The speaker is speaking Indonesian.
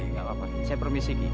tidak apa apa saya permisi ki